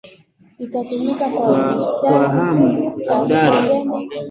" Kwa amu Abdalla